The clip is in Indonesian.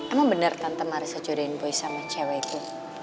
emang bener tantem arissa jodohin boy sama cewek itu